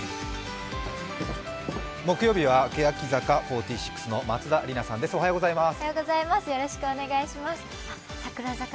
木曜日は欅坂４６の松田里奈さんです。